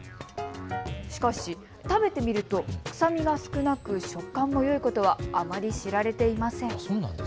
しかし食べてみると臭みが少なく食感もよいことはあまり知られていません。